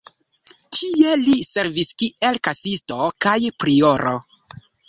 Tie li servis kiel kasisto kaj prioro.